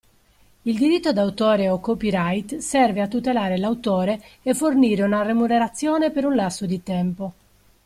Il Diritto d'autore o Copyright serve a tutelare l'autore e fornire una remunerazione per un lasso di tempo.